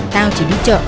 tao chỉ đi chợ